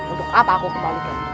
untuk apa aku kebalikan